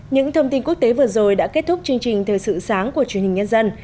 những thông tin quốc tế vừa rồi đã kết thúc chương trình thời sự sáng của truyền hình nhân dân